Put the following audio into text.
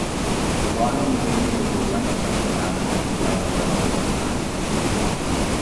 The line remains over Westchester Avenue throughout the rest of its journey.